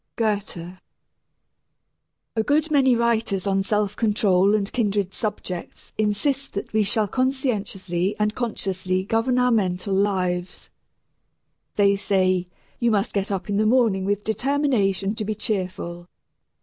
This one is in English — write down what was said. GOETHE. A good many writers on self control and kindred subjects insist that we shall conscientiously and consciously govern our mental lives. They say, "You must get up in the morning with determination to be cheerful."